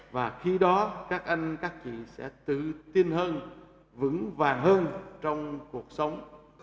và khi đó các anh các chị sẽ tự tin hơn vững vàng hơn trong cuộc sống